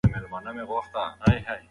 ښوونکي په صبر او زغم درس ورکوي.